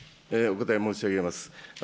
お答え申し上げます。